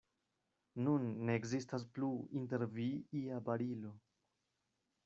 Nun ne ekzistas plu inter vi ia barilo.